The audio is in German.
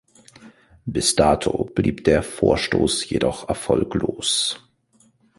Bis dato blieb der Vorstoß jedoch erfolglos.